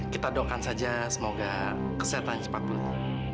kita doakan saja semoga kesehatan cepat penuh